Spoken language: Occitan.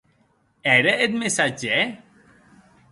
Ère eth messatgèr?